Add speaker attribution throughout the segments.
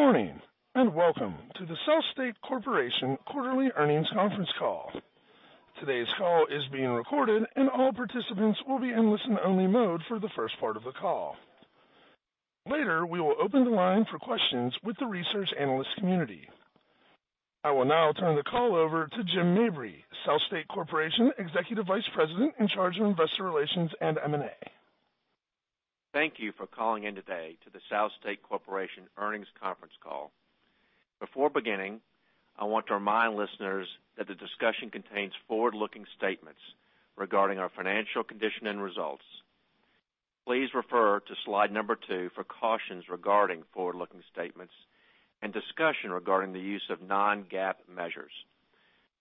Speaker 1: Good morning, welcome to the SouthState Corporation quarterly earnings conference call. Today's call is being recorded, and all participants will be in listen-only mode for the first part of the call. Later, we will open the line for questions with the research analyst community. I will now turn the call over to Jim Mabry, SouthState Corporation Executive Vice President in charge of Investor Relations and M&A.
Speaker 2: Thank you for calling in today to the SouthState Corporation earnings conference call. Before beginning, I want to remind listeners that the discussion contains forward-looking statements regarding our financial condition and results. Please refer to slide number two for cautions regarding forward-looking statements and discussion regarding the use of non-GAAP measures.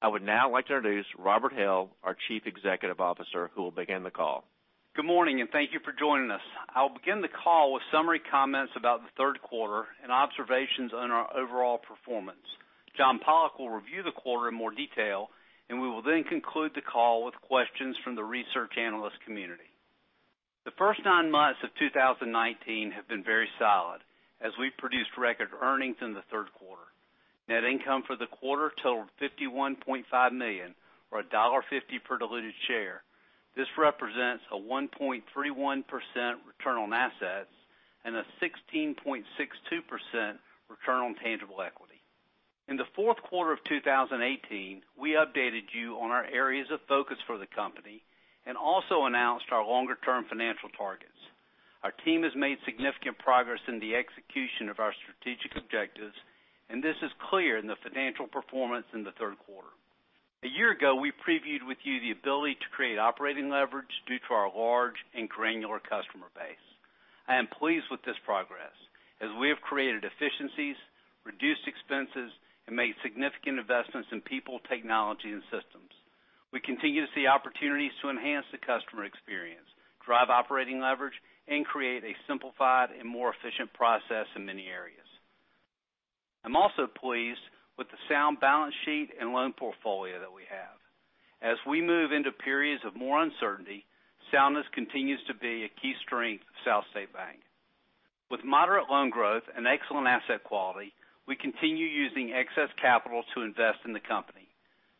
Speaker 2: I would now like to introduce Robert Hill, our Chief Executive Officer, who will begin the call.
Speaker 3: Good morning, and thank you for joining us. I will begin the call with summary comments about the third quarter and observations on our overall performance. John Pollok will review the quarter in more detail, and we will then conclude the call with questions from the research analyst community. The first nine months of 2019 have been very solid, as we've produced record earnings in the third quarter. Net income for the quarter totaled $51.5 million, or $1.50 per diluted share. This represents a 1.31% return on assets and a 16.62% return on tangible equity. In the fourth quarter of 2018, we updated you on our areas of focus for the company and also announced our longer-term financial targets. Our team has made significant progress in the execution of our strategic objectives, and this is clear in the financial performance in the third quarter. A year ago, we previewed with you the ability to create operating leverage due to our large and granular customer base. I am pleased with this progress, as we have created efficiencies, reduced expenses, and made significant investments in people, technology, and systems. We continue to see opportunities to enhance the customer experience, drive operating leverage, and create a simplified and more efficient process in many areas. I'm also pleased with the sound balance sheet and loan portfolio that we have. As we move into periods of more uncertainty, soundness continues to be a key strength of SouthState Bank. With moderate loan growth and excellent asset quality, we continue using excess capital to invest in the company.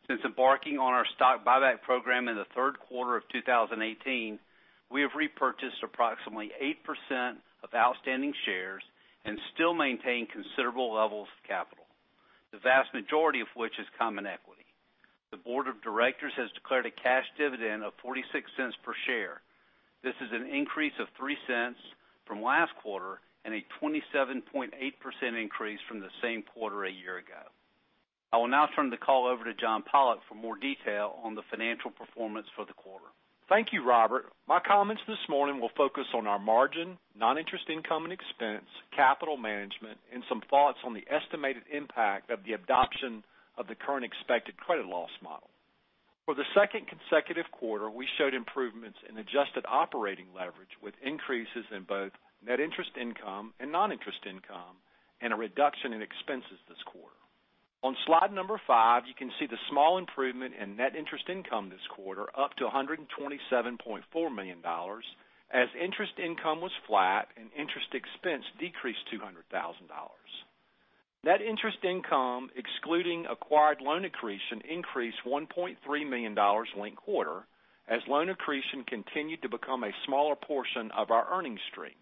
Speaker 3: Since embarking on our stock buyback program in the third quarter of 2018, we have repurchased approximately 8% of outstanding shares and still maintain considerable levels of capital, the vast majority of which is common equity. The board of directors has declared a cash dividend of $0.46 per share. This is an increase of $0.03 from last quarter and a 27.8% increase from the same quarter a year ago. I will now turn the call over to John Pollok for more detail on the financial performance for the quarter.
Speaker 4: Thank you, Robert. My comments this morning will focus on our margin, non-interest income and expense, capital management, and some thoughts on the estimated impact of the adoption of the current expected credit loss model. For the second consecutive quarter, we showed improvements in adjusted operating leverage, with increases in both net interest income and non-interest income, and a reduction in expenses this quarter. On slide number five, you can see the small improvement in net interest income this quarter, up to $127.4 million, as interest income was flat and interest expense decreased $200,000. Net interest income, excluding acquired loan accretion, increased $1.3 million linked quarter, as loan accretion continued to become a smaller portion of our earnings stream.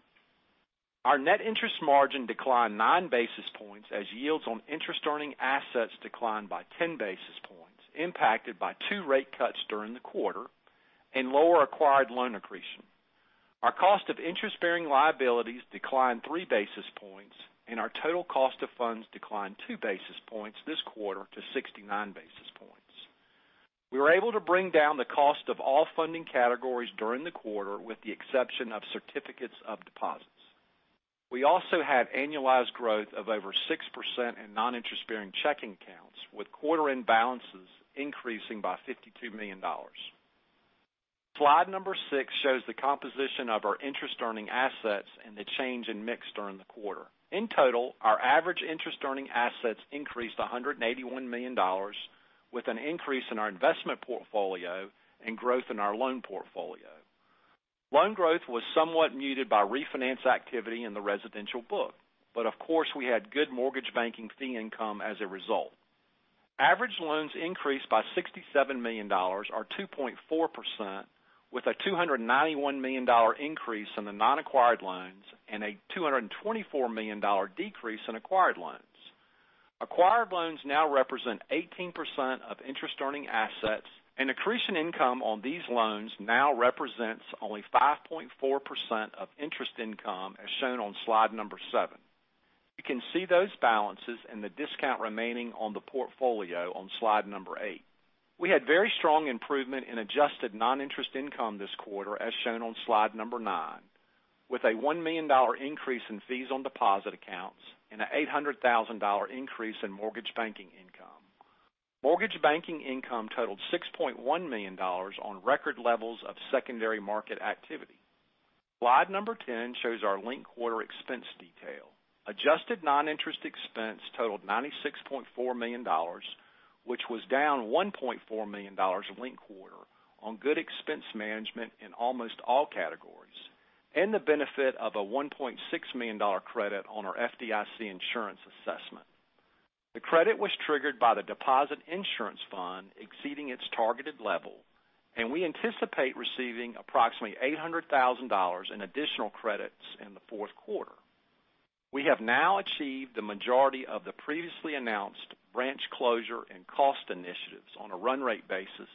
Speaker 4: Our net interest margin declined 9 basis points as yields on interest-earning assets declined by 10 basis points, impacted by two rate cuts during the quarter and lower acquired loan accretion. Our cost of interest-bearing liabilities declined 3 basis points, and our total cost of funds declined 2 basis points this quarter to 69 basis points. We were able to bring down the cost of all funding categories during the quarter, with the exception of certificates of deposits. We also had annualized growth of over 6% in non-interest-bearing checking accounts, with quarter-end balances increasing by $52 million. Slide number six shows the composition of our interest-earning assets and the change in mix during the quarter. In total, our average interest-earning assets increased $181 million, with an increase in our investment portfolio and growth in our loan portfolio. Loan growth was somewhat muted by refinance activity in the residential book, of course, we had good mortgage banking fee income as a result. Average loans increased by $67 million, or 2.4%, with a $291 million increase in the non-acquired loans and a $224 million decrease in acquired loans. Acquired loans now represent 18% of interest-earning assets, accretion income on these loans now represents only 5.4% of interest income, as shown on slide number seven. You can see those balances and the discount remaining on the portfolio on slide number eight. We had very strong improvement in adjusted non-interest income this quarter, as shown on slide number nine, with a $1 million increase in fees on deposit accounts and a $800 thousand increase in mortgage banking income. Mortgage banking income totaled $6.1 million on record levels of secondary market activity. Slide number 10 shows our linked quarter expense detail. Adjusted non-interest expense totaled $96.4 million, which was down $1.4 million linked quarter. On good expense management in almost all categories, and the benefit of a $1.6 million credit on our FDIC insurance assessment. The credit was triggered by the deposit insurance fund exceeding its targeted level, and we anticipate receiving approximately $800,000 in additional credits in the fourth quarter. We have now achieved the majority of the previously announced branch closure and cost initiatives on a run-rate basis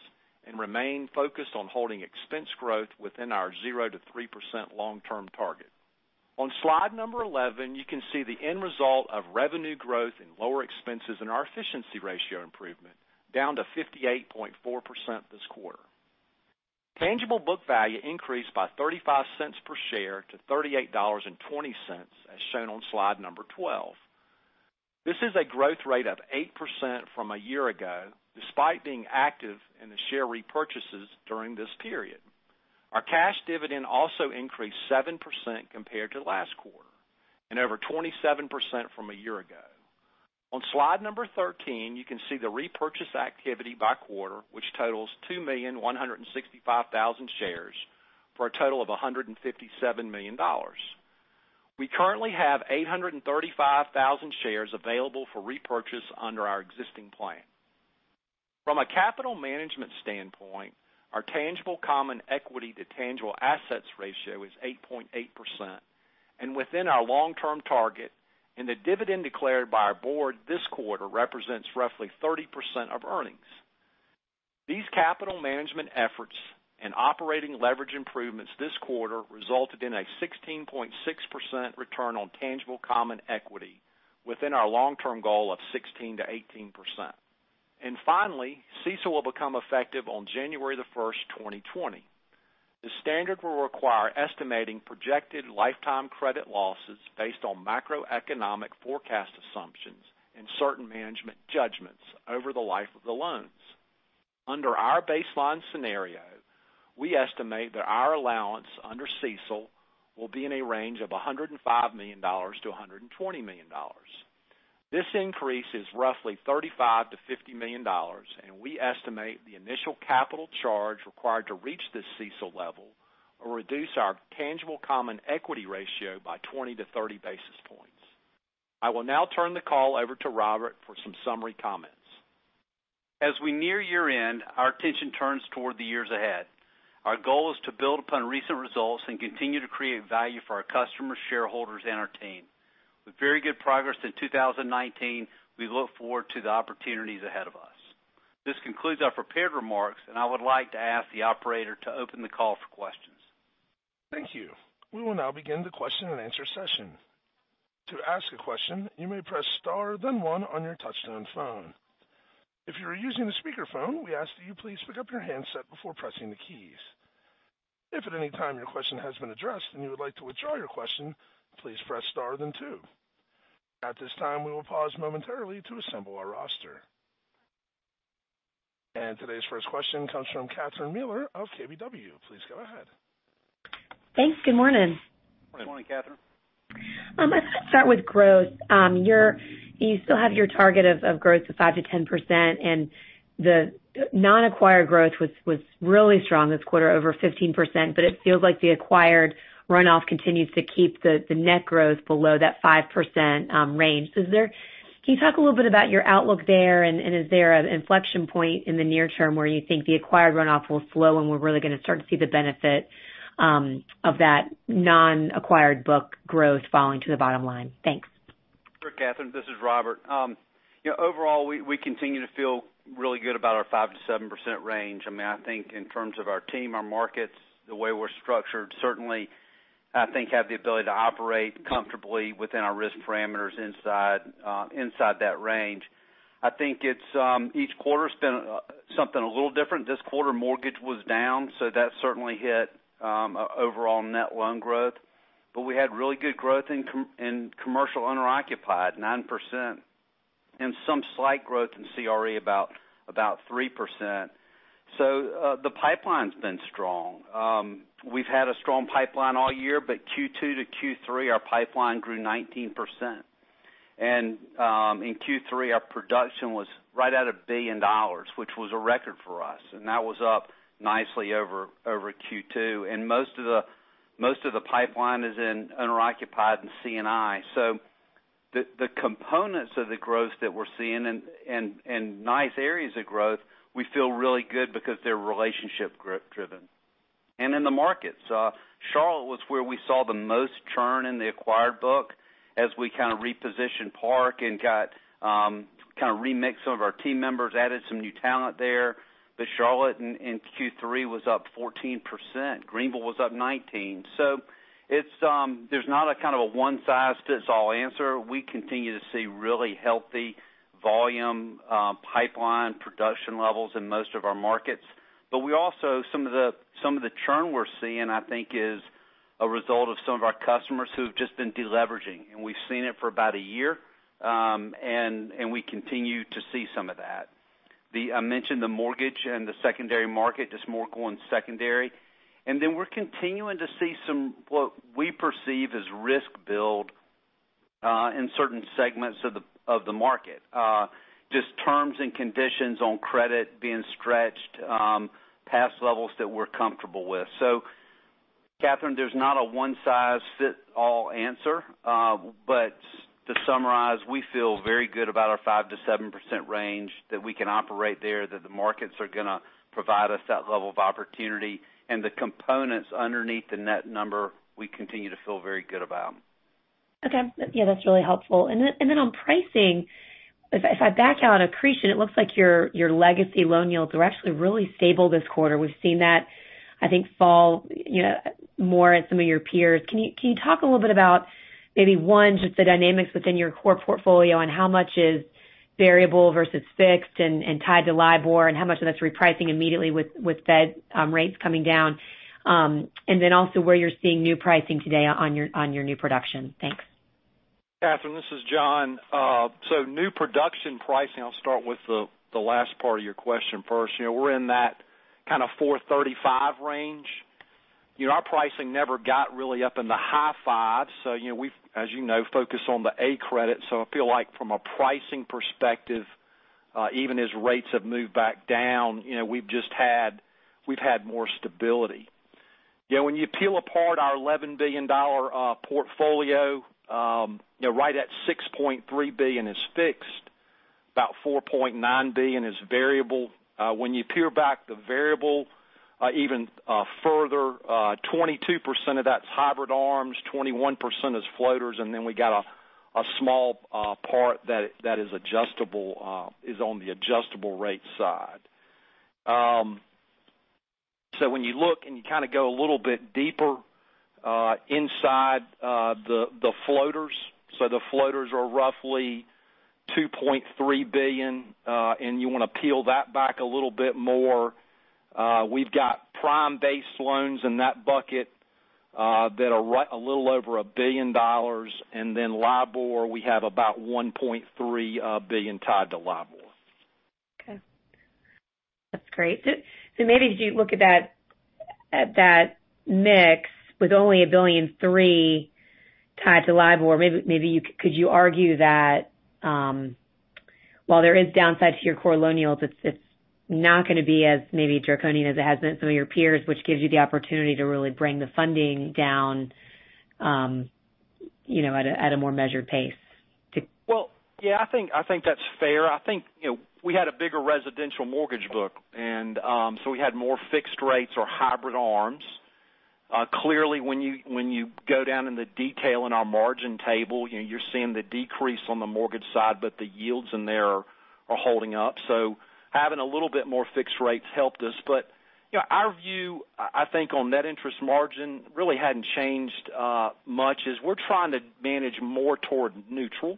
Speaker 4: and remain focused on holding expense growth within our 0%-3% long-term target. On slide number 11, you can see the end result of revenue growth and lower expenses and our efficiency ratio improvement, down to 58.4% this quarter. Tangible book value increased by $0.35 per share to $38.20, as shown on slide number twelve. This is a growth rate of 8% from a year ago, despite being active in the share repurchases during this period. Our cash dividend also increased 7% compared to last quarter, and over 27% from a year ago. On slide number 13, you can see the repurchase activity by quarter, which totals 2,165,000 shares for a total of $157 million. We currently have 835,000 shares available for repurchase under our existing plan. From a capital management standpoint, our tangible common equity to tangible assets ratio is 8.8% and within our long-term target, and the dividend declared by our board this quarter represents roughly 30% of earnings. These capital management efforts and operating leverage improvements this quarter resulted in a 16.6% return on tangible common equity within our long-term goal of 16%-18%. Finally, CECL will become effective on January the 1st, 2020. The standard will require estimating projected lifetime credit losses based on macroeconomic forecast assumptions and certain management judgments over the life of the loans. Under our baseline scenario, we estimate that our allowance under CECL will be in a range of $105 million-$120 million. This increase is roughly $35 million-$50 million, and we estimate the initial capital charge required to reach this CECL level will reduce our tangible common equity ratio by 20-30 basis points. I will now turn the call over to Robert for some summary comments. As we near year-end, our attention turns toward the years ahead. Our goal is to build upon recent results and continue to create value for our customers, shareholders, and our team. With very good progress in 2019, we look forward to the opportunities ahead of us.
Speaker 3: This concludes our prepared remarks. I would like to ask the operator to open the call for questions.
Speaker 1: Thank you. We will now begin the question and answer session. To ask a question, you may press star then one on your touch-tone phone. If you are using a speakerphone, we ask that you please pick up your handset before pressing the keys. If at any time your question has been addressed and you would like to withdraw your question, please press star then two. At this time, we will pause momentarily to assemble our roster. Today's first question comes from Catherine Mealor of KBW. Please go ahead.
Speaker 5: Thanks. Good morning.
Speaker 4: Good morning, Catherine.
Speaker 5: I'd like to start with growth. You still have your target of growth of 5%-10%, and the non-acquired growth was really strong this quarter, over 15%, but it feels like the acquired runoff continues to keep the net growth below that 5% range. Can you talk a little bit about your outlook there, and is there an inflection point in the near term where you think the acquired runoff will slow, and we're really going to start to see the benefit of that non-acquired book growth falling to the bottom line? Thanks.
Speaker 3: Sure, Catherine. This is Robert. Overall, we continue to feel really good about our 5%-7% range. I think in terms of our team, our markets, the way we're structured, certainly, I think have the ability to operate comfortably within our risk parameters inside that range. I think each quarter has been something a little different. This quarter, mortgage was down, so that certainly hit overall net loan growth. We had really good growth in commercial owner occupied, 9%, and some slight growth in CRE, about 3%. The pipeline's been strong. We've had a strong pipeline all year, but Q2 to Q3, our pipeline grew 19%. In Q3, our production was right at $1 billion, which was a record for us, and that was up nicely over Q2. Most of the pipeline is in owner occupied and C&I. The components of the growth that we're seeing and nice areas of growth, we feel really good because they're relationship driven. In the markets, Charlotte was where we saw the most churn in the acquired book as we kind of repositioned Park Sterling and got, kind of remixed some of our team members, added some new talent there. Charlotte in Q3 was up 14%. Greenville was up 19%. There's not a kind of a one-size-fits-all answer. We continue to see really healthy volume pipeline production levels in most of our markets. We also, some of the churn we're seeing, I think, is a result of some of our customers who've just been de-leveraging. We've seen it for about a year, and we continue to see some of that. I mentioned the mortgage and the secondary market, just more going secondary. We're continuing to see some, what we perceive as risk build in certain segments of the market. Just terms and conditions on credit being stretched past levels that we're comfortable with. Catherine, there's not a one-size-fits-all answer. To summarize, we feel very good about our 5%-7% range, that we can operate there, that the markets are going to provide us that level of opportunity, and the components underneath the net number, we continue to feel very good about.
Speaker 5: Okay. Yeah, that's really helpful. Then on pricing, if I back out accretion, it looks like your legacy loan yields were actually really stable this quarter. We've seen that, I think, fall more at some of your peers. Can you talk a little bit about maybe one, just the dynamics within your core portfolio and how much is variable versus fixed and tied to LIBOR, and how much of that's repricing immediately with Fed rates coming down? Then also where you're seeing new pricing today on your new production. Thanks.
Speaker 4: Catherine, this is John. New production pricing, I'll start with the last part of your question first. We're in that kind of 4.35% range. Our pricing never got really up in the high 5s. We, as you know, focus on the A credit. I feel like from a pricing perspective, even as rates have moved back down, we've had more stability. When you peel apart our $11 billion portfolio, right at $6.3 billion is fixed, about $4.9 billion is variable. When you peel back the variable, even further, 22% of that's hybrid ARMs, 21% is floaters, and then we got a small part that is on the adjustable rate side. When you look and you kind of go a little bit deeper inside the floaters. The floaters are roughly $2.3 billion, and you want to peel that back a little bit more. We've got prime-based loans in that bucket that are a little over $1 billion. LIBOR, we have about $1.3 billion tied to LIBOR.
Speaker 5: Okay. That's great. Maybe as you look at that mix with only $1.3 billion tied to LIBOR, maybe could you argue that while there is downside to your core loan yields, it's not going to be as maybe draconian as it has been some of your peers, which gives you the opportunity to really bring the funding down at a more measured pace to.
Speaker 4: Well, yeah, I think that's fair. I think, we had a bigger residential mortgage book, and so we had more fixed rates or hybrid ARMs. Clearly, when you go down in the detail in our margin table, you're seeing the decrease on the mortgage side, but the yields in there are holding up. Having a little bit more fixed rates helped us. Our view, I think on net interest margin really hadn't changed much is we're trying to manage more toward neutral.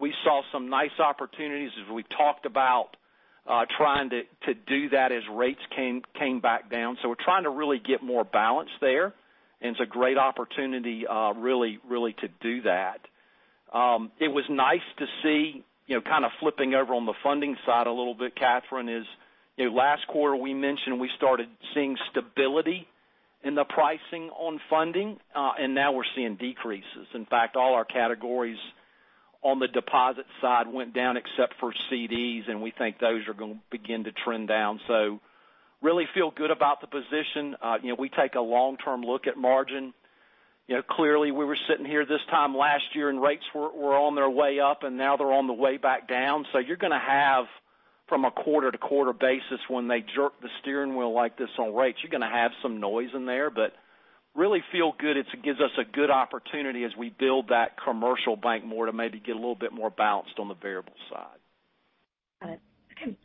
Speaker 4: We saw some nice opportunities as we talked about trying to do that as rates came back down. We're trying to really get more balance there, and it's a great opportunity really to do that. It was nice to see, kind of flipping over on the funding side a little bit, Catherine, is last quarter, we mentioned we started seeing stability in the pricing on funding, and now we're seeing decreases. In fact, all our categories on the deposit side went down except for CDs, and we think those are going to begin to trend down. Really feel good about the position. We take a long-term look at margin. Clearly, we were sitting here this time last year, and rates were on their way up, and now they're on the way back down. You're going to have from a quarter-to-quarter basis, when they jerk the steering wheel like this on rates, you're going to have some noise in there, but really feel good. It gives us a good opportunity as we build that commercial bank more to maybe get a little bit more balanced on the variable side.
Speaker 5: Got it.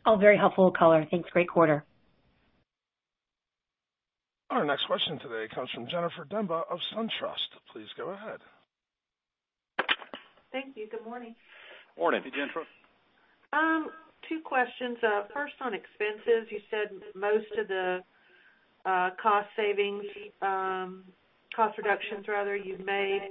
Speaker 5: All very helpful color. Thanks. Great quarter.
Speaker 1: Our next question today comes from Jennifer Demba of SunTrust. Please go ahead.
Speaker 6: Thank you. Good morning.
Speaker 4: Morning. Hey, Jennifer.
Speaker 6: Two questions. First, on expenses, you said most of the cost savings, cost reductions rather, you've made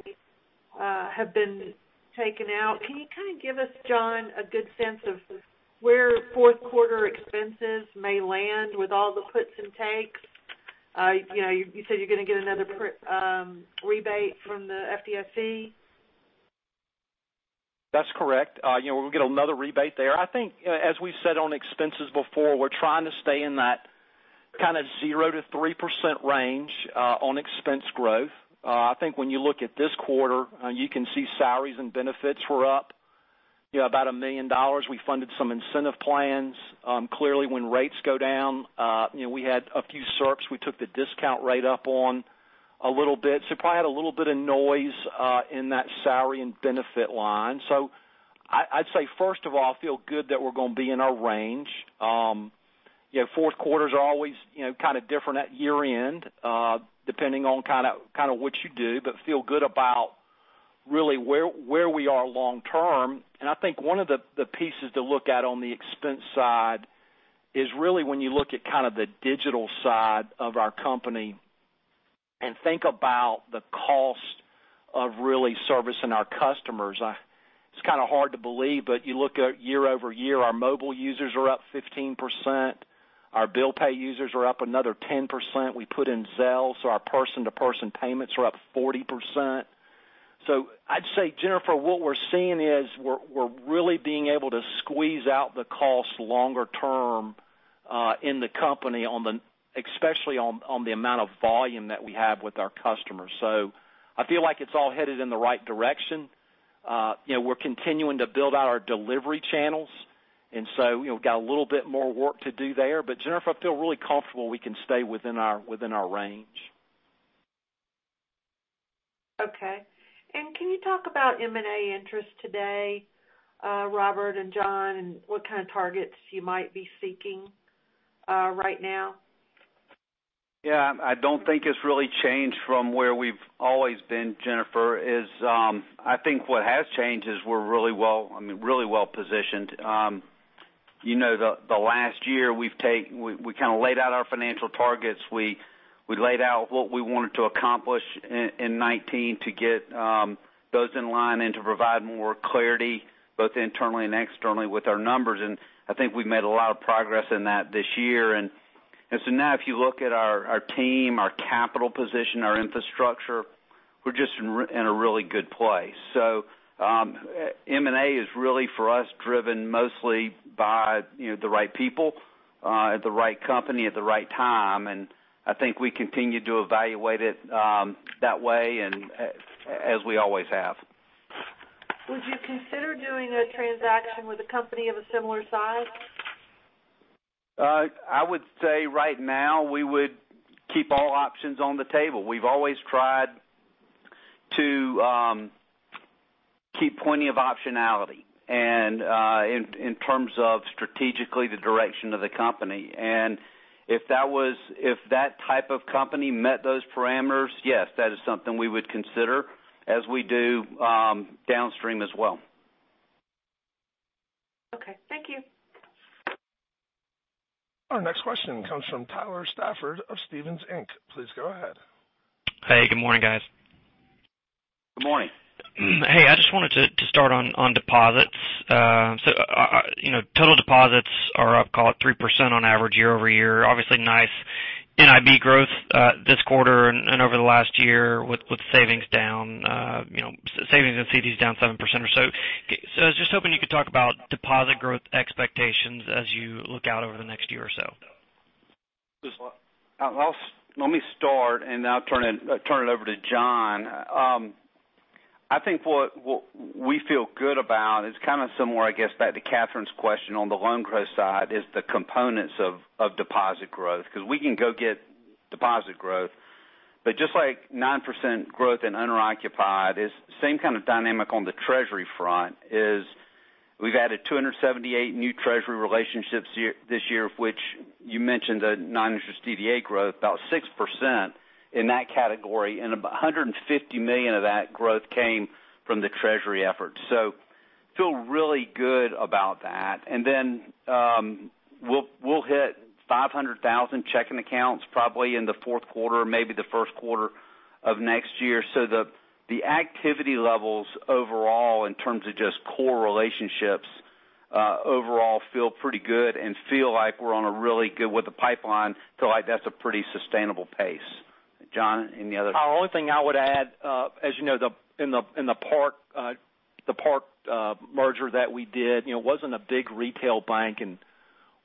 Speaker 6: have been taken out. Can you kind of give us, John, a good sense of where fourth quarter expenses may land with all the puts and takes? You said you're going to get another rebate from the FDIC.
Speaker 4: That's correct. We'll get another rebate there. I think as we've said on expenses before, we're trying to stay in that kind of 0%-3% range on expense growth. I think when you look at this quarter, you can see salaries and benefits were up about $1 million. We funded some incentive plans. Clearly, when rates go down, we had a few SERPs we took the discount rate up on a little bit. Probably had a little bit of noise in that salary and benefit line. I'd say, first of all, I feel good that we're going to be in our range. Fourth quarters are always kind of different at year-end, depending on kind of what you do, but feel good about really where we are long term. I think one of the pieces to look at on the expense side is really when you look at kind of the digital side of our company and think about the cost of really servicing our customers. It's kind of hard to believe, but you look at year-over-year, our mobile users are up 15%, our bill pay users are up another 10%. We put in Zelle, our person to person payments are up 40%. I'd say, Jennifer, what we're seeing is we're really being able to squeeze out the cost longer term in the company, especially on the amount of volume that we have with our customers. I feel like it's all headed in the right direction. We're continuing to build out our delivery channels, we've got a little bit more work to do there. Jennifer, I feel really comfortable we can stay within our range.
Speaker 6: Okay. Can you talk about M&A interest today, Robert and John, and what kind of targets you might be seeking right now?
Speaker 3: Yeah. I don't think it's really changed from where we've always been, Jennifer. I think what has changed is we're really well positioned. The last year, we kind of laid out our financial targets. We laid out what we wanted to accomplish in 2019 to get those in line and to provide more clarity both internally and externally with our numbers. I think we've made a lot of progress in that this year. Now, if you look at our team, our capital position, our infrastructure, we're just in a really good place. M&A is really for us, driven mostly by the right people, at the right company, at the right time, and I think we continue to evaluate it that way and as we always have.
Speaker 6: Would you consider doing a transaction with a company of a similar size?
Speaker 3: I would say right now, we would keep all options on the table. We've always tried to keep plenty of optionality, and in terms of strategically the direction of the company. If that type of company met those parameters, yes, that is something we would consider as we do downstream as well.
Speaker 6: Okay. Thank you.
Speaker 1: Our next question comes from Tyler Stafford of Stephens Inc. Please go ahead.
Speaker 7: Hey, good morning, guys.
Speaker 3: Good morning.
Speaker 7: Hey, I just wanted to start on deposits. Total deposits are up, call it 3% on average year-over-year. Obviously nice NIB growth this quarter and over the last year with savings down, savings and CDs down 7% or so. I was just hoping you could talk about deposit growth expectations as you look out over the next year or so.
Speaker 3: Let me start, and I'll turn it over to John. I think what we feel good about is kind of similar, I guess, back to Catherine's question on the loan growth side is the components of deposit growth, because we can go get deposit growth. Just like 9% growth in owner-occupied, is same kind of dynamic on the treasury front is we've added 278 new treasury relationships this year, which you mentioned a non-interest DDA growth about 6% in that category. $150 million of that growth came from the treasury efforts. Feel really good about that. We'll hit 500,000 checking accounts probably in the fourth quarter, maybe the first quarter of next year. The activity levels overall in terms of just core relationships, overall feel pretty good and feel like we're on a really good with the pipeline, feel like that's a pretty sustainable pace. John, any other?
Speaker 4: The only thing I would add, as you know, in the Park merger that we did, it wasn't a big retail bank, and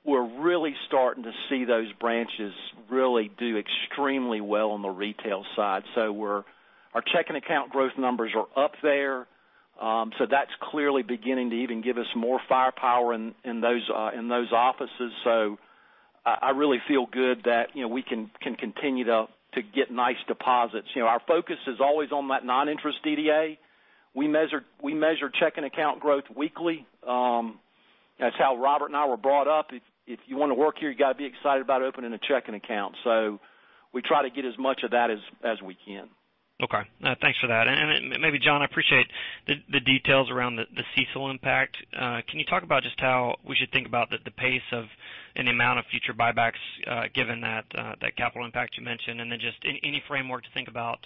Speaker 4: we're really starting to see those branches really do extremely well on the retail side. Our checking account growth numbers are up there. That's clearly beginning to even give us more firepower in those offices. I really feel good that we can continue to get nice deposits. Our focus is always on that non-interest DDA. We measure checking account growth weekly. That's how Robert and I were brought up. If you want to work here, you got to be excited about opening a checking account. We try to get as much of that as we can.
Speaker 7: Okay. No, thanks for that. Maybe John, I appreciate the details around the CECL impact. Can you talk about just how we should think about the pace of any amount of future buybacks given that capital impact you mentioned, and then just any framework to think about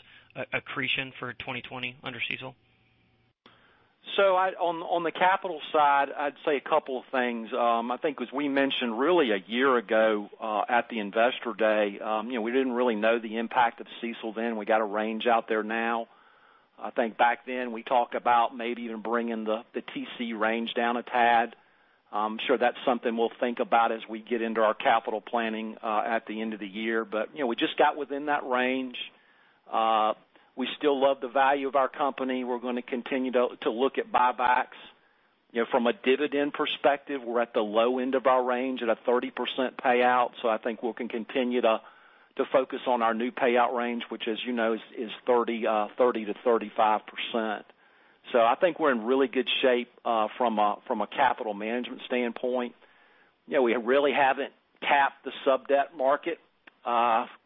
Speaker 7: accretion for 2020 under CECL?
Speaker 4: On the capital side, I'd say a couple of things. I think as we mentioned really a year ago at the Investor Day, we didn't really know the impact of CECL then. We got a range out there now. I think back then we talked about maybe even bringing the TCE range down a tad. I'm sure that's something we'll think about as we get into our capital planning at the end of the year. We just got within that range. We still love the value of our company. We're going to continue to look at buybacks. From a dividend perspective, we're at the low end of our range at a 30% payout. I think we can continue to focus on our new payout range, which as you know, is 30%-35%. I think we're in really good shape from a capital management standpoint. We really haven't tapped the sub-debt market.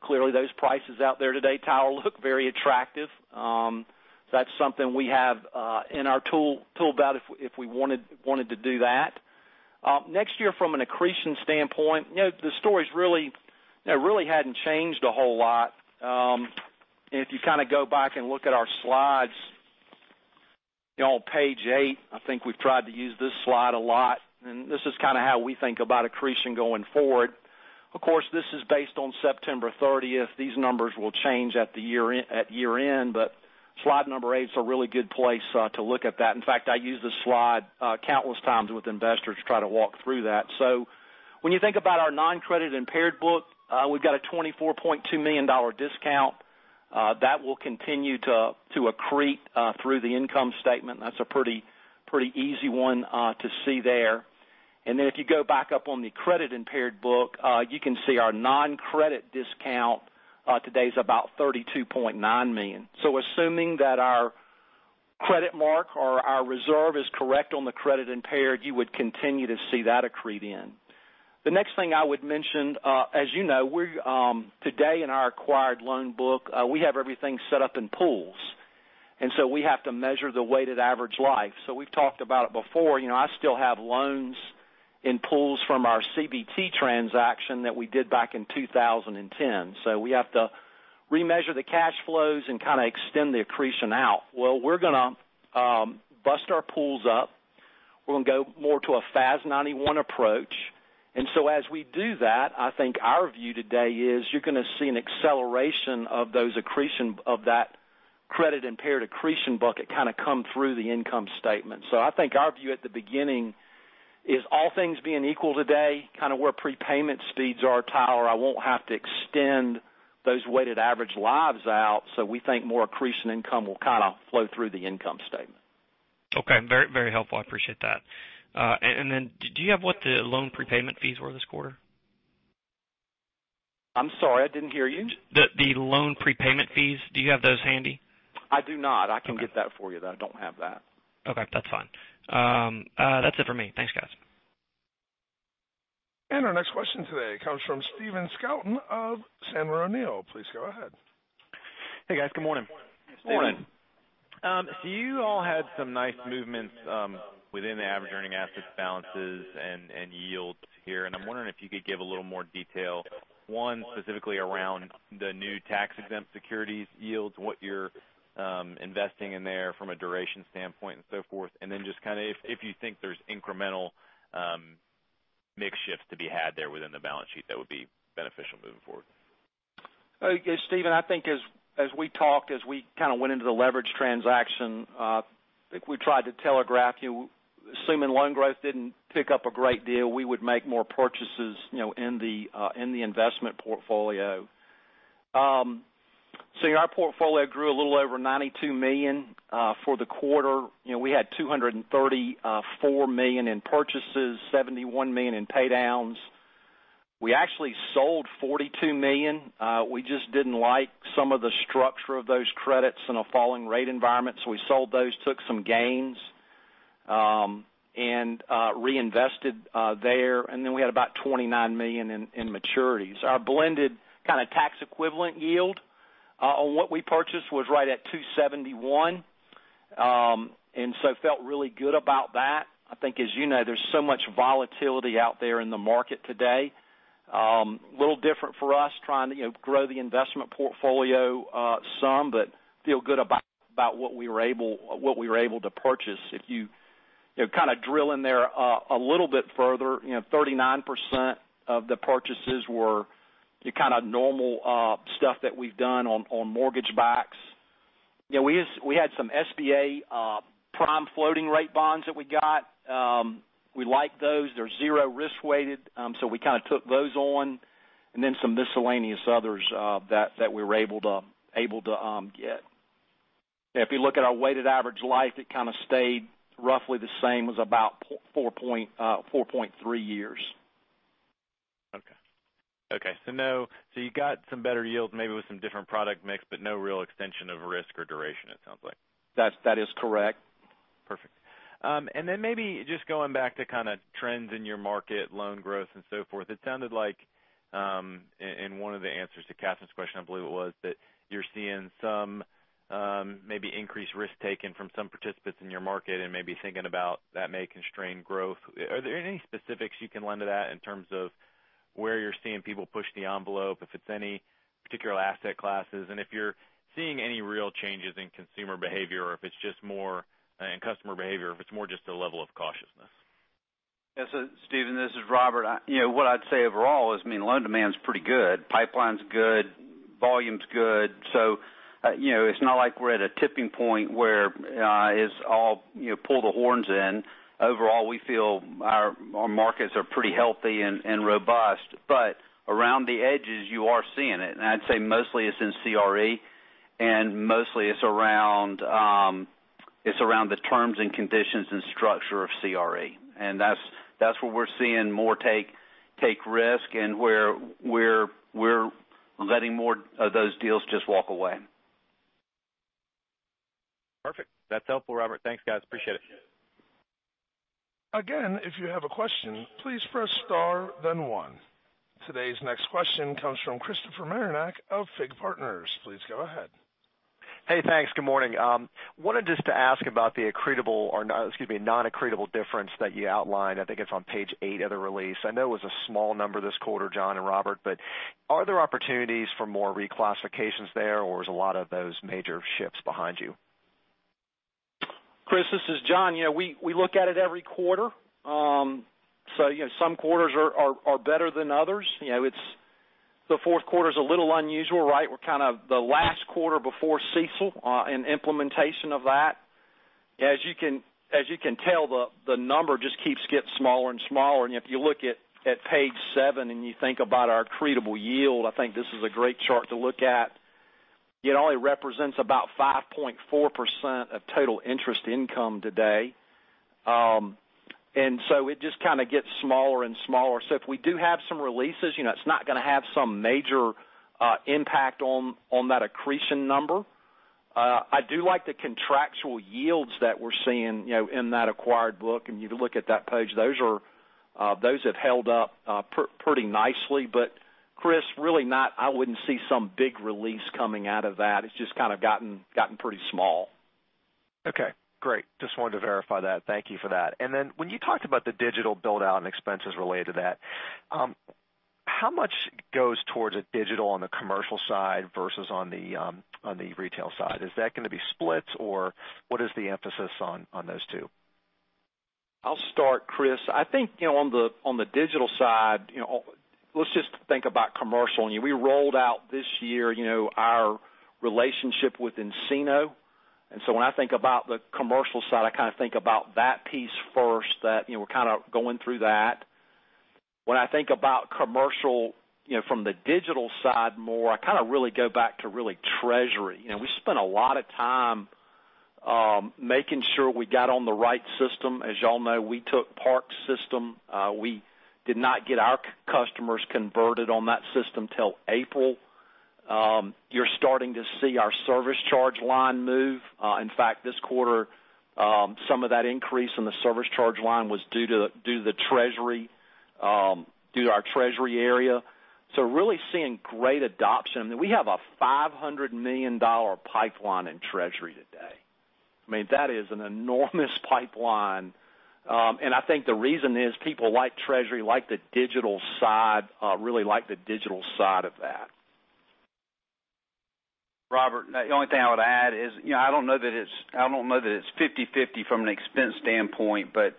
Speaker 4: Clearly, those prices out there today, Tyler, look very attractive. That's something we have in our tool belt if we wanted to do that. Next year from an accretion standpoint, the story really hadn't changed a whole lot. If you go back and look at our slides on page eight, I think we've tried to use this slide a lot, and this is kind of how we think about accretion going forward. Of course, this is based on September 30th. These numbers will change at year-end. Slide number eight is a really good place to look at that. In fact, I use this slide countless times with investors to try to walk through that. When you think about our non-credit impaired book, we've got a $24.2 million discount. That will continue to accrete through the income statement. That's a pretty easy one to see there. If you go back up on the credit-impaired book, you can see our non-credit discount today is about $32.9 million. Assuming that our credit mark or our reserve is correct on the credit-impaired, you would continue to see that accrete in. The next thing I would mention, as you know, today in our acquired loan book, we have everything set up in pools, and so we have to measure the weighted average life. We've talked about it before. I still have loans in pools from our CBT transaction that we did back in 2010. We have to remeasure the cash flows and kind of extend the accretion out. Well, we're going to bust our pools up. We're going to go more to a FAS 91 approach. As we do that, I think our view today is you're going to see an acceleration of that credit-impaired accretion bucket kind of come through the income statement. I think our view at the beginning is all things being equal today, kind of where prepayment speeds are, Tyler, I won't have to extend those weighted average lives out. We think more accretion income will kind of flow through the income statement.
Speaker 7: Okay. Very helpful. I appreciate that. Do you have what the loan prepayment fees were this quarter?
Speaker 4: I'm sorry, I didn't hear you.
Speaker 7: The loan prepayment fees, do you have those handy?
Speaker 4: I do not. I can get that for you, though. I don't have that.
Speaker 7: Okay, that's fine. That's it for me. Thanks, guys.
Speaker 1: Our next question today comes from Stephen Scouten of Sandler O'Neill. Please go ahead.
Speaker 8: Hey, guys. Good morning.
Speaker 4: Morning.
Speaker 8: You all had some nice movements within the average earning assets balances and yields here, and I'm wondering if you could give a little more detail. One, specifically around the new tax-exempt securities yields, what you're investing in there from a duration standpoint and so forth? Just if you think there's incremental mix shifts to be had there within the balance sheet that would be beneficial moving forward?
Speaker 4: Stephen, I think as we talked, as we kind of went into the leverage transaction, I think we tried to telegraph you. Assuming loan growth didn't pick up a great deal, we would make more purchases in the investment portfolio. Our portfolio grew a little over $92 million. For the quarter, we had $234 million in purchases, $71 million in pay downs. We actually sold $42 million. We just didn't like some of the structure of those credits in a falling rate environment, so we sold those, took some gains, and reinvested there. We had about $29 million in maturities. Our blended kind of tax equivalent yield on what we purchased was right at 2.71%, and so felt really good about that. I think, as you know, there's so much volatility out there in the market today. Little different for us trying to grow the investment portfolio some, but feel good about what we were able to purchase. If you kind of drill in there a little bit further, 39% of the purchases were kind of normal stuff that we've done on mortgage backs. We had some SBA prime floating rate bonds that we got. We like those. They're 0 risk weighted, so we kind of took those on, and then some miscellaneous others that we were able to get. If you look at our weighted average life, it kind of stayed roughly the same. Was about 4.3 years.
Speaker 8: You got some better yields maybe with some different product mix, but no real extension of risk or duration, it sounds like.
Speaker 4: That is correct.
Speaker 8: Perfect. Then maybe just going back to kind of trends in your market, loan growth, and so forth. It sounded like, in one of the answers to Catherine's question, I believe it was, that you're seeing some maybe increased risk-taking from some participants in your market and maybe thinking about that may constrain growth. Are there any specifics you can lend to that in terms of where you're seeing people push the envelope, if it's any particular asset classes, and if you're seeing any real changes in consumer behavior, or if it's just in customer behavior, if it's more just a level of cautiousness?
Speaker 3: Yes, Stephen, this is Robert. What I'd say overall is, loan demand is pretty good. Pipeline's good, volume's good. It's not like we're at a tipping point where it's all pull the horns in. Overall, we feel our markets are pretty healthy and robust. Around the edges, you are seeing it, and I'd say mostly it's in CRE, and mostly it's around the terms and conditions and structure of CRE. That's where we're seeing more take risk and where we're letting more of those deals just walk away.
Speaker 8: Perfect. That's helpful, Robert. Thanks, guys. Appreciate it.
Speaker 1: Again, if you have a question, please press star then one. Today's next question comes from Christopher Marinac of FIG Partners. Please go ahead.
Speaker 9: Hey, thanks. Good morning. I wanted just to ask about the non-accretable difference that you outlined. I think it's on page eight of the release. I know it was a small number this quarter, John and Robert, are there opportunities for more reclassifications there, or is a lot of those major shifts behind you?
Speaker 4: Chris, this is John. We look at it every quarter. Some quarters are better than others. The fourth quarter's a little unusual, right? We're kind of the last quarter before CECL and implementation of that. As you can tell, the number just keeps getting smaller and smaller. If you look at page seven and you think about our accretable yield, I think this is a great chart to look at. It only represents about 5.4% of total interest income today. It just kind of gets smaller and smaller. If we do have some releases, it's not going to have some major impact on that accretion number. I do like the contractual yields that we're seeing in that acquired book, and you can look at that page. Those have held up pretty nicely, but Chris, really not, I wouldn't see some big release coming out of that. It's just kind of gotten pretty small.
Speaker 9: Okay, great. Just wanted to verify that. Thank you for that. When you talked about the digital build-out and expenses related to that, how much goes towards a digital on the commercial side versus on the retail side? Is that going to be splits or what is the emphasis on those two?
Speaker 4: I'll start, Chris. I think on the digital side, let's just think about commercial. We rolled out this year our relationship with nCino. When I think about the commercial side, I kind of think about that piece first, that we're kind of going through that. When I think about commercial from the digital side more, I kind of really go back to treasury. We spent a lot of time making sure we got on the right system. As you all know, we took Park's system. We did not get our customers converted on that system till April. You're starting to see our service charge line move. In fact, this quarter, some of that increase in the service charge line was due to our treasury area. Really seeing great adoption. We have a $500 million pipeline in treasury today. I mean, that is an enormous pipeline. I think the reason is people like treasury, like the digital side, really like the digital side of that.
Speaker 3: Robert, the only thing I would add is, I don't know that it's 50/50 from an expense standpoint, but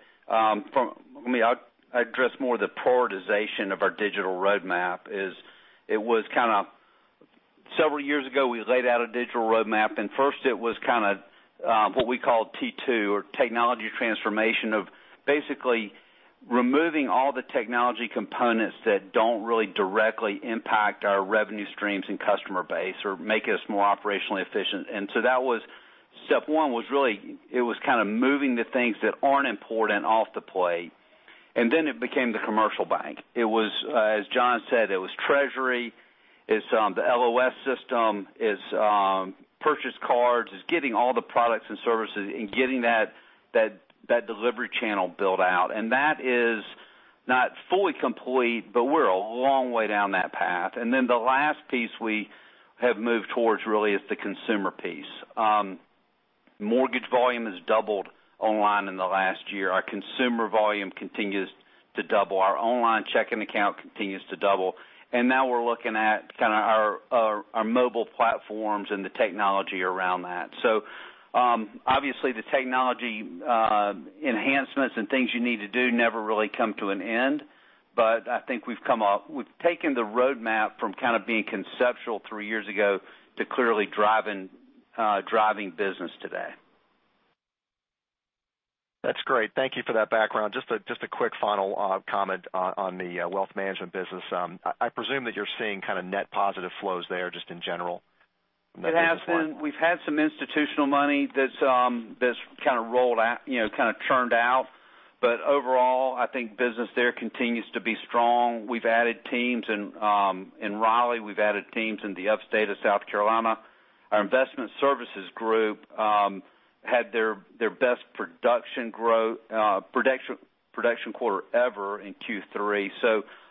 Speaker 3: maybe I'll address more the prioritization of our digital roadmap is it was kind of several years ago, we laid out a digital roadmap. First it was kind of what we call T2 or technology transformation of basically removing all the technology components that don't really directly impact our revenue streams and customer base or make us more operationally efficient. That was step 1 was really, it was kind of moving the things that aren't important off the plate. It became the commercial bank. It was, as John said, it was treasury, it's the LOS system, it's purchase cards, it's getting all the products and services and getting that delivery channel built out.
Speaker 4: That is not fully complete, but we're a long way down that path. The last piece we have moved towards really is the consumer piece. Mortgage volume has doubled online in the last year. Our consumer volume continues to double. Our online checking account continues to double. Now we're looking at kind of our mobile platforms and the technology around that. Obviously the technology enhancements and things you need to do never really come to an end. I think we've taken the roadmap from kind of being conceptual three years ago to clearly driving business today.
Speaker 9: That's great. Thank you for that background. Just a quick final comment on the wealth management business. I presume that you're seeing kind of net positive flows there just in general at this point.
Speaker 3: It has been. We've had some institutional money that's kind of churned out. Overall, I think business there continues to be strong. We've added teams in Raleigh. We've added teams in the upstate of South Carolina. Our investment services group had their best production quarter ever in Q3.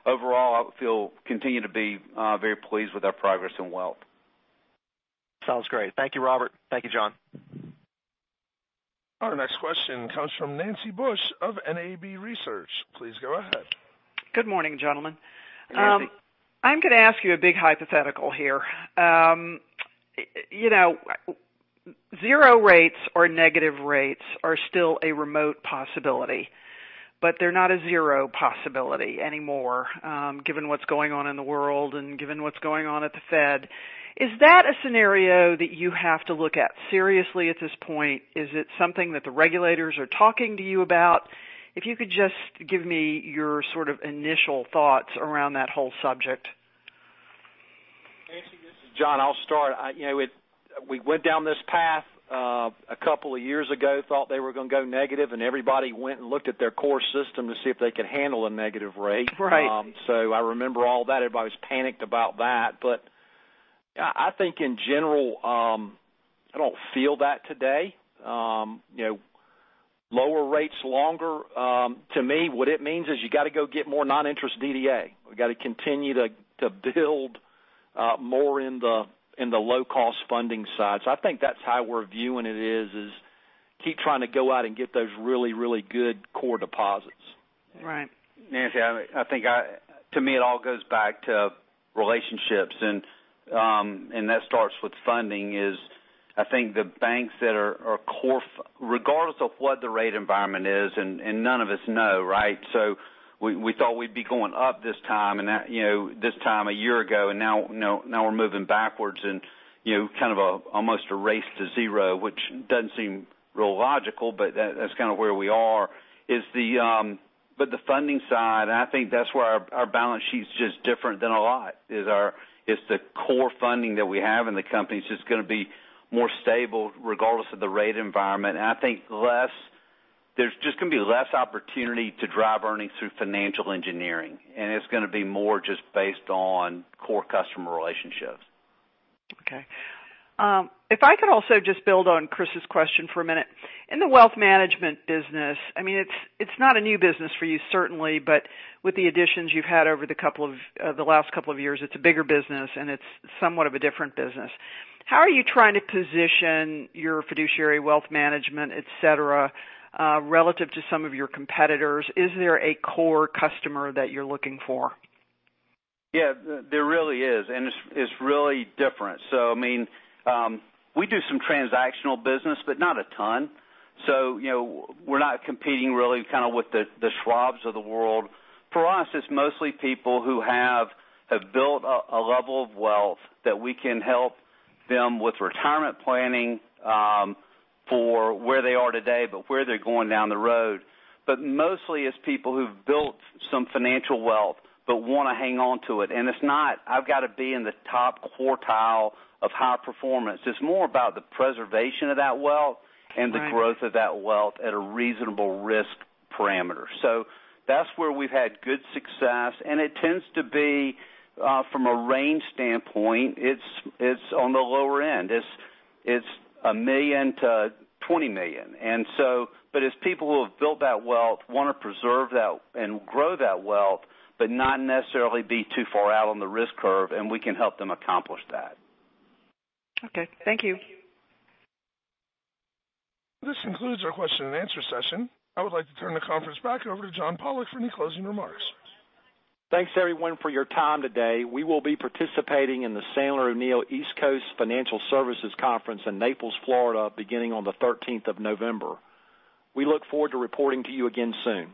Speaker 3: Overall, I feel, continue to be very pleased with our progress in wealth.
Speaker 9: Sounds great. Thank you, Robert. Thank you, John.
Speaker 1: Our next question comes from Nancy Bush of NAB Research. Please go ahead.
Speaker 10: Good morning, gentlemen.
Speaker 4: Nancy.
Speaker 10: I'm going to ask you a big hypothetical here. Zero rates or negative rates are still a remote possibility, but they're not a zero possibility anymore, given what's going on in the world and given what's going on at the Fed. Is that a scenario that you have to look at seriously at this point? Is it something that the regulators are talking to you about? If you could just give me your sort of initial thoughts around that whole subject.
Speaker 4: Nancy, this is John. I'll start. We went down this path a couple of years ago, thought they were going to go negative, and everybody went and looked at their core system to see if they could handle a negative rate.
Speaker 10: Right.
Speaker 4: I remember all that. Everybody was panicked about that. I think in general, I don't feel that today. Lower rates longer. To me, what it means is you got to go get more non-interest DDA. We got to continue to build more in the low-cost funding side. I think that's how we're viewing it is, keep trying to go out and get those really, really good core deposits.
Speaker 10: Right.
Speaker 3: Nancy, I think to me, it all goes back to relationships. That starts with funding is, I think the banks that are core, regardless of what the rate environment is. None of us know, right? We thought we'd be going up this time a year ago, now we're moving backwards and kind of almost a race to zero, which doesn't seem real logical. That's kind of where we are. The funding side, I think that's where our balance sheet's just different than a lot is the core funding that we have in the company is just going to be more stable regardless of the rate environment. I think there's just going to be less opportunity to drive earnings through financial engineering, and it's going to be more just based on core customer relationships.
Speaker 10: Okay. If I could also just build on Chris's question for a minute. In the wealth management business, it's not a new business for you, certainly, but with the additions you've had over the last couple of years, it's a bigger business, and it's somewhat of a different business. How are you trying to position your fiduciary wealth management, et cetera, relative to some of your competitors? Is there a core customer that you're looking for?
Speaker 3: Yeah, there really is, and it's really different. We do some transactional business, but not a ton. We're not competing really with the Schwab of the world. For us, it's mostly people who have built a level of wealth that we can help them with retirement planning for where they are today, but where they're going down the road. Mostly it's people who've built some financial wealth but want to hang onto it, and it's not, "I've got to be in the top quartile of high performance." It's more about the preservation of that wealth.
Speaker 10: Right
Speaker 3: and the growth of that wealth at a reasonable risk parameter. That's where we've had good success, and it tends to be, from a range standpoint, it's on the lower end. It's $1 million-$20 million. It's people who have built that wealth, want to preserve that and grow that wealth, but not necessarily be too far out on the risk curve, and we can help them accomplish that.
Speaker 10: Okay. Thank you.
Speaker 1: This concludes our question and answer session. I would like to turn the conference back over to John Pollok for any closing remarks.
Speaker 4: Thanks everyone for your time today. We will be participating in the Sandler O'Neill East Coast Financial Services Conference in Naples, Florida, beginning on the 13th of November. We look forward to reporting to you again soon.